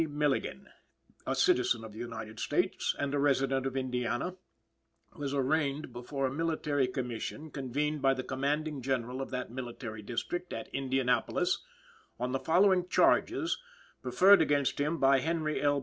Milligan, a citizen of the United States and a resident of Indiana, was arraigned before a Military Commission convened by the commanding General of that Military District, at Indianapolis, on the following charges preferred against him by Henry L.